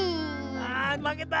あまけた。